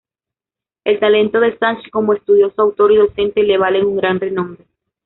El talento de Sachs como estudioso, autor y docente le valen un gran renombre.